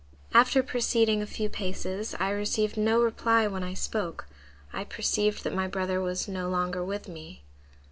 After proceeding a few paces, I received no reply when I spoke: I perceived that my brother was no longer with me.